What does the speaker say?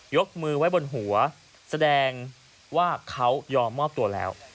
ยกมือไว้บนหัวแสดงว่าเขายอมมอบตัวแล้ว